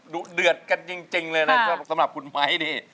เดือดกันจริงเลยนะครับสำหรับคุณไม้นี่